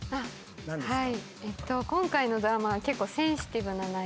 何ですか？